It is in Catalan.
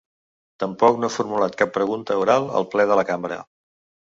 Tampoc no ha formulat cap pregunta oral al ple de la cambra.